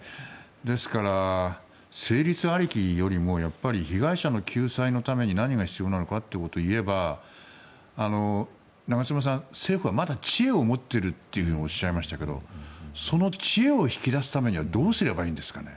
ですから、成立ありきよりも被害者の救済のために何が必要なのかということを言えば長妻さん、政府はまだ知恵を持っているとおっしゃいましたけどその知恵を引き出すためにはどうすればいいんでしょうかね。